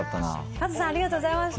カズさん、ありがとうございました。